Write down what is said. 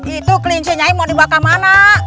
itu klinci nyai mau dibakar mana